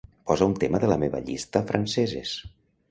Posa un tema de la meva llista "franceses".